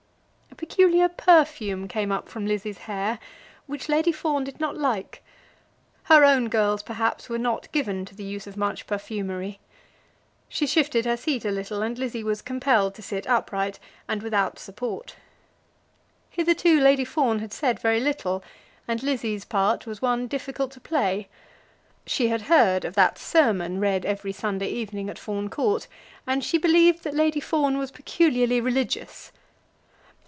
A peculiar perfume came up from Lizzie's hair which Lady Fawn did not like. Her own girls, perhaps, were not given to the use of much perfumery. She shifted her seat a little, and Lizzie was compelled to sit upright, and without support. Hitherto Lady Fawn had said very little, and Lizzie's part was one difficult to play. She had heard of that sermon read every Sunday evening at Fawn Court, and she believed that Lady Fawn was peculiarly religious.